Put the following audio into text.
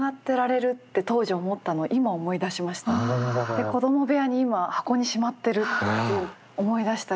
で子ども部屋に今箱にしまってるって思い出したりとか。